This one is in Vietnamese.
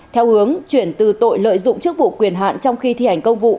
theo hướng chuyển từ tội lợi dụng chức vụ quyền hạn trong khi thi hành công vụ